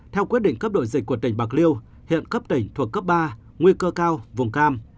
theo quyết định cấp đổi dịch của tỉnh bạc liêu hiện cấp tỉnh thuộc cấp ba nguy cơ cao vùng cam